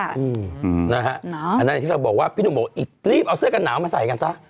อันนั้นอย่างที่เราบอกว่าพี่หนุ่มบอกอีกรีบเอาเสื้อกันหนาวมาใส่กันซะ